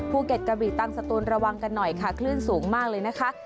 กะบีตังสตูนระวังกันหน่อยค่ะคลื่นสูงมากเลยนะคะ